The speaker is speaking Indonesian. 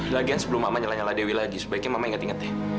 lagian sebelum mama nyala nyala dewi lagi sebaiknya mama inget ingetin